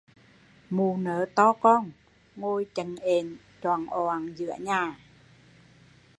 Mụ nớ to con ngồi chận ện choạng oạng giữa nhà